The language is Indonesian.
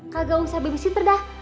kagak usah babysitter dah